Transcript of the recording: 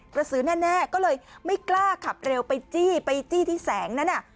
สือแน่ก็เลยไม่กล้าขับเร็วไปจี้ไปจี้ที่แสงนั้น